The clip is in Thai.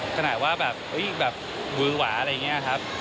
ขนาดว่าแบบวื้อหวาอะไรอย่างนี้ครับ